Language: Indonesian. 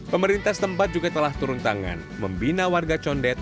pemerintah setempat juga telah turun tangan membina warga condet